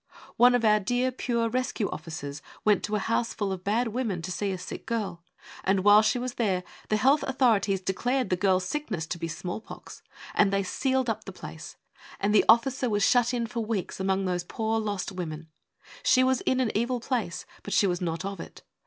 One of our dear pure Rescue Officers went to a house full of bad women to see a sick girl, and while she was there the health authorities declared the girl's sickness to be smallpox, and they sealed up the place, and the Officer was shut in for weeks among 4 THE WAY OF HOLINESS those poor lost women. She was in an evil place, but she was not of it.